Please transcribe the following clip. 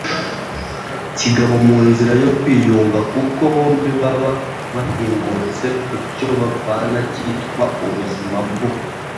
kigabo mu nzira yo kwiyunga kuko bombi baba bahingutse ku cyo bapfana cyitwa ubuzima, bwo